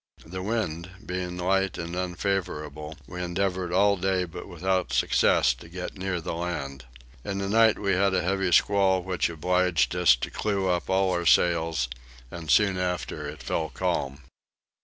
The wind being light and unfavourable we endeavoured all day but without success to get near the land. In the night we had a heavy squall which obliged us to clew up all our sails and soon after it fell calm.